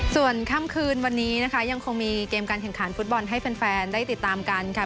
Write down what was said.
ส่วนค่ำคืนวันนี้นะคะยังคงมีเกมการแข่งขันฟุตบอลให้แฟนได้ติดตามกันค่ะ